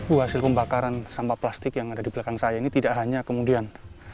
oh hasil pembakaran sampah plastik yang ada di belakang saya ini tidak hanya kemudian